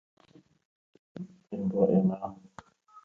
هەر کەسە ناوی چەند پێشمەرگەیەکی گوت